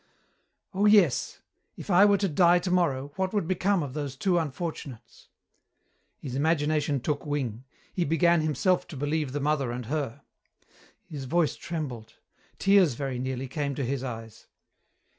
"Oh yes! If I were to die tomorrow, what would become of those two unfortunates?" His imagination took wing. He began himself to believe the mother and her. His voice trembled. Tears very nearly came to his eyes.